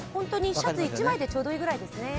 シャツ１枚くらいでちょうどいいくらいですね。